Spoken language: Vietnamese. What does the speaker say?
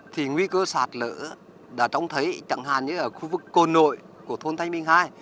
thì nguy cơ sạt lở đã trông thấy chẳng hạn như ở khu vực cồn nội của thôn thanh minh hai